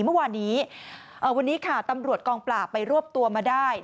เมื่อวานนี้วันนี้ค่ะตำรวจกองปราบไปรวบตัวมาได้